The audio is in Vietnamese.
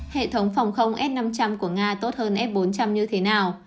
hệ thống phòng không s năm trăm linh của nga tốt hơn f bốn trăm linh như thế nào